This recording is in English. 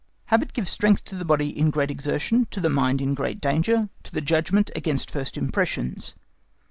Habit gives strength to the body in great exertion, to the mind in great danger, to the judgment against first impressions.